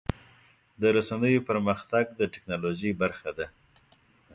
د رسنیو پرمختګ د ټکنالوژۍ برخه ده.